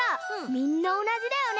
みんなおなじだよね？